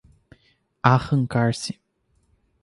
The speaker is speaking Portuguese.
Arrancar-se